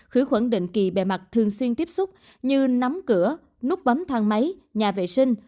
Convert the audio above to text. khử khuẩn định kỳ bề mặt thường xuyên tiếp xúc như nắm cửa núp bóng thang máy nhà vệ sinh